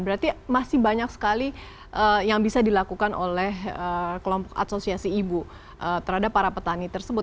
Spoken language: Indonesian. berarti masih banyak sekali yang bisa dilakukan oleh kelompok asosiasi ibu terhadap para petani tersebut